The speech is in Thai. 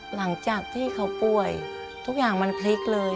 หลังจากที่เขาป่วยทุกอย่างมันพลิกเลย